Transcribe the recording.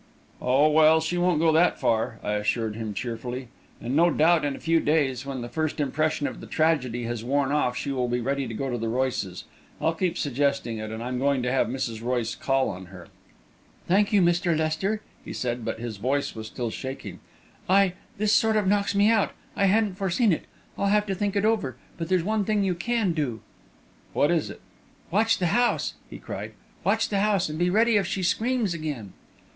"Oh, well, she won't go that far," I assured him cheerfully; "and no doubt in a few days, when the first impression of the tragedy has worn off, she will be ready to go to the Royces'. I'll keep suggesting it, and I'm going to have Mrs. Royce call on her." "Thank you, Mr. Lester," he said, but his voice was still shaking. "I this sort of knocks me out I hadn't foreseen it. I'll have to think it over. But there's one thing you can do." "What is it?" "Watch the house!" he cried. "Watch the house! And be ready if she screams again."